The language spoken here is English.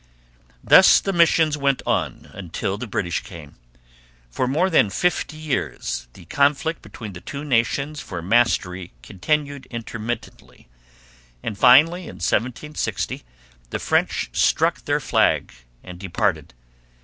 Thus the missions went on until the British came. For more than fifty years the conflict between the two nations for mastery continued intermittently; and finally in 1760 the French struck their flag and departed.